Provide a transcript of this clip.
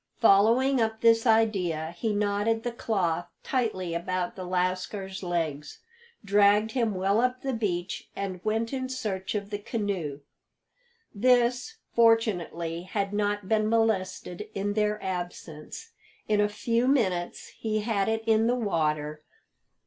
Following up this idea, he knotted the cloth tightly about the lascar's legs, dragged him well up the beach, and went in search of the canoe. This, fortunately, had not been molested in their absence; in a few minutes he had it in the water.